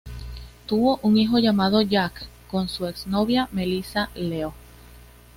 Tuvo un hijo llamado Jack con su exnovia Melissa Leo.